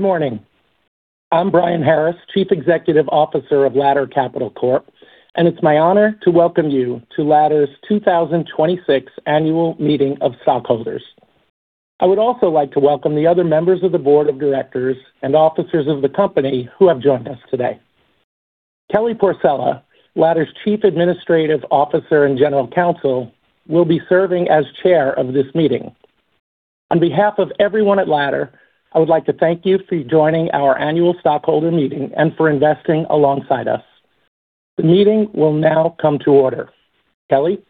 Good morning. I'm Brian Harris, Chief Executive Officer of Ladder Capital Corp, and it's my honor to welcome you to Ladder's 2026 Annual Meeting of Stockholders. I would also like to welcome the other members of the board of directors and officers of the company who have joined us today. Kelly Porcella, Ladder's Chief Administrative Officer and General Counsel, will be serving as chair of this meeting. On behalf of everyone at Ladder, I would like to thank you for joining our annual stockholder meeting and for investing alongside us. The meeting will now come to order. Kelly?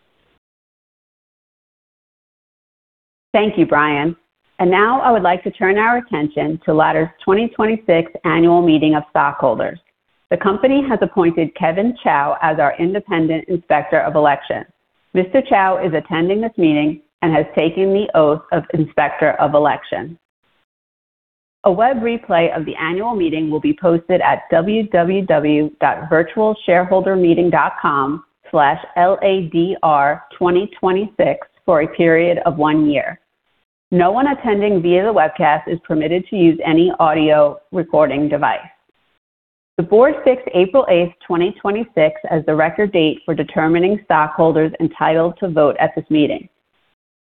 Thank you, Brian. Now I would like to turn our attention to Ladder's 2026 Annual Meeting of Stockholders. The company has appointed Kevin Chow as our independent inspector of election. Mr. Chow is attending this meeting and has taken the oath of inspector of election. A web replay of the annual meeting will be posted at www.virtualshareholdermeeting.com/ladr2026 for a period of one year. No one attending via the webcast is permitted to use any audio recording device. The board fixed April 8th, 2026, as the record date for determining stockholders entitled to vote at this meeting.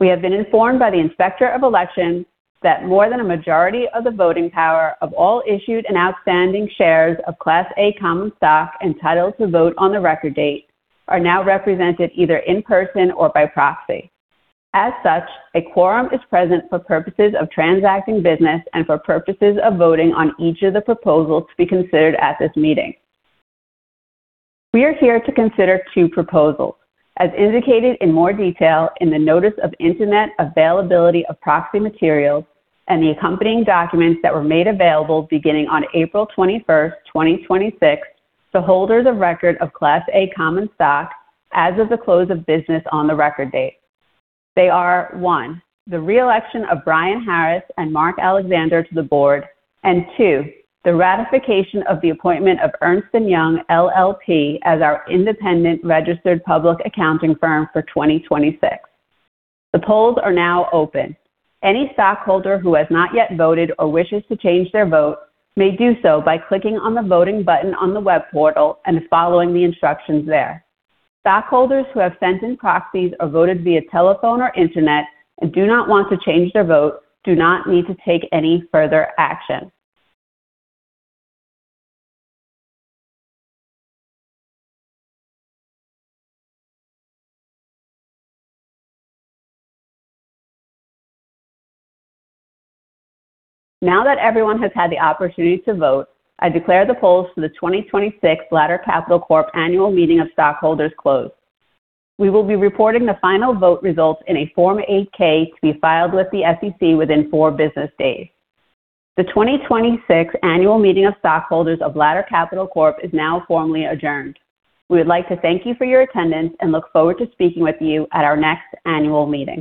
We have been informed by the inspector of elections that more than a majority of the voting power of all issued and outstanding shares of Class A common stock entitled to vote on the record date are now represented either in person or by proxy. As such, a quorum is present for purposes of transacting business and for purposes of voting on each of the proposals to be considered at this meeting. We are here to consider two proposals, as indicated in more detail in the notice of internet availability of proxy materials and the accompanying documents that were made available beginning on April 21st, 2026, to holders of record of Class A common stock as of the close of business on the record date. They are, one, the re-election of Brian Harris and Mark Alexander to the board, and two, the ratification of the appointment of Ernst & Young LLP as our independent registered public accounting firm for 2026. The polls are now open. Any stockholder who has not yet voted or wishes to change their vote may do so by clicking on the voting button on the web portal and following the instructions there. Stockholders who have sent in proxies or voted via telephone or internet and do not want to change their vote do not need to take any further action. Now that everyone has had the opportunity to vote, I declare the polls for the 2026 Ladder Capital Corp Annual Meeting of Stockholders closed. We will be reporting the final vote results in a Form 8-K to be filed with the SEC within four business days. The 2026 Annual Meeting of Stockholders of Ladder Capital Corp is now formally adjourned. We would like to thank you for your attendance and look forward to speaking with you at our next annual meeting